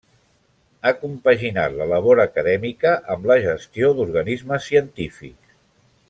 Ha compaginat la labor acadèmica amb la gestió d'organismes científics.